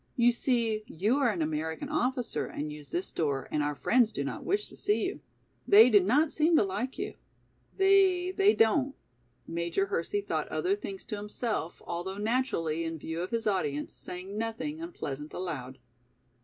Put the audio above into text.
"You see you are an American officer and use this door and our friends do not wish to see you. They do not seem to like you." "They—they don't," Major Hersey thought other things to himself, although naturally, in view of his audience, saying nothing unpleasant aloud.